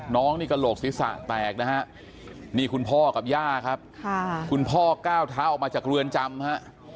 น้องนี่กระโหลกศีรษะแตกนะฮะนี่คุณพ่อกับย่าครับคุณพ่อก้าวเท้าออกมาจากเรือนจำฮะ